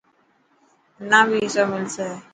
منا بي حصو ملسي.